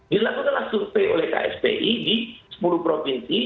dilakukanlah survei oleh kspi di sepuluh provinsi